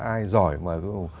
ai giỏi mà